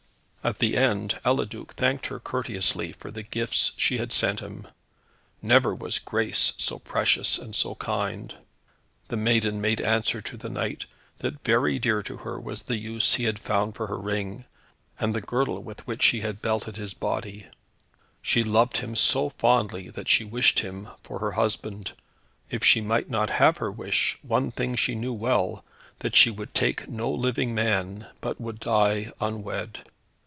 At the end Eliduc thanked her courteously for the gifts she had sent him; never was grace so precious and so kind. The maiden made answer to the knight, that very dear to her was the use he had found for her ring, and the girdle with which he had belted his body. She loved him so fondly that she wished him for her husband. If she might not have her wish, one thing she knew well, that she would take no living man, but would die unwed.